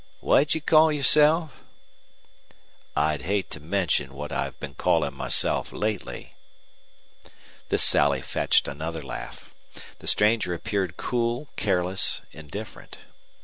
"What'd you call yourself?" "I'd hate to mention what I've been callin' myself lately." This sally fetched another laugh. The stranger appeared cool, careless, indifferent.